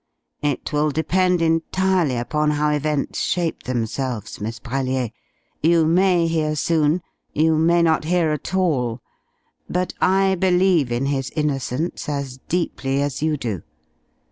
It will depend entirely upon how events shape themselves, Miss Brellier. You may hear soon you may not hear at all. But I believe in his innocence as deeply as you do.